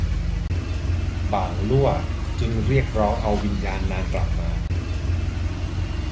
บ่างลั่วจึงร้องเรียกเอาวิญญาณนางกลับมา